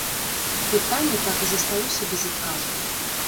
Пытанне так і засталося без адказу.